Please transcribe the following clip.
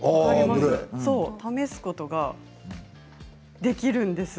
試すことができるんです。